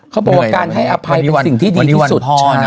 เขาบอกว่าการให้อภัยเป็นสิ่งที่ดีที่สุด